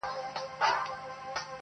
قاسم یار مین پر داسي جانانه دی,